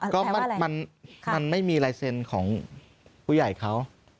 ก็มันไม่มีไลเซนของผู้ใหญ่เขา